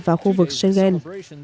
vào khu vực schengen